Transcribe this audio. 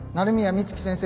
美月先生